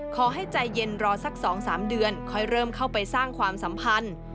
ขอให้ใจเย็นรอสัก๒๓เดือนค่อยเริ่มเข้าไปสร้างความสัมพันธ์